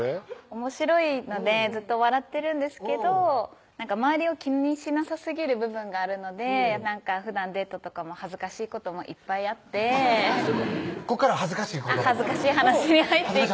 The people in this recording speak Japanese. おもしろいのでずっと笑ってるんですけど周りを気にしなさすぎる部分があるのでふだんデートとかも恥ずかしいこともいっぱいあってこっから恥ずかしいことが恥ずかしい話になるの？